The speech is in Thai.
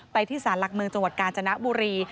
ที่สารหลักเมืองจังหวัดกาญจนบุรี